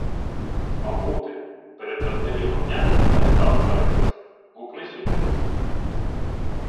— «Мабути», — передражнив його князь, та не став сваритися. — Гукни сюди.